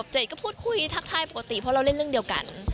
เจดก็พูดคุยทักทายปกติเพราะเราเล่นเรื่องเดียวกัน